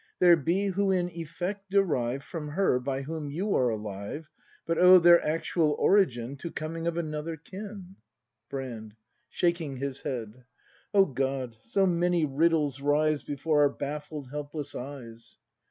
There be, who in effect derive From her, by whom you are alive. But owe their actual origin To coming of another kin. Brand. [Shaking his head.] O God, so many riddles rise Before our baflfled, helpless eyes!